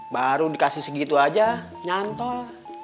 baru dikasih segitu aja nyantol